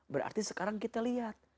berarti sekarang kita lihat